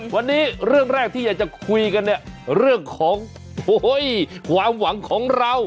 วันนี้เรื่องแรกที่อยากจะคุยกันเนี่ยเรื่องของความหวังของเรา